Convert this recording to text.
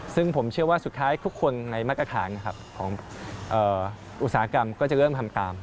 ซึ่งผมเชื่อว่าสุดท้ายทุกคนในมาตรฐานของอุตสาหกรรมก็จะเริ่มทำตาม